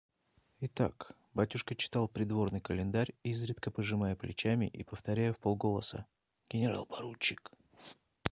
Итак, батюшка читал Придворный календарь, изредка пожимая плечами и повторяя вполголоса: «Генерал-поручик!..